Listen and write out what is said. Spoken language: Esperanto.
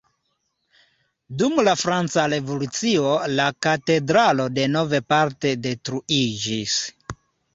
Dum la Franca Revolucio la katedralo denove parte detruiĝis.